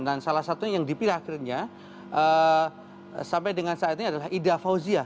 dan salah satunya yang dipilih akhirnya sampai dengan saat ini adalah ida fauzia